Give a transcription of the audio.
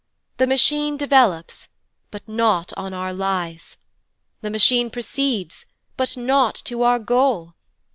The Machine develops but not on our lies. The Machine proceeds but not to our goal.